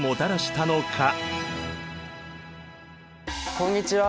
こんにちは！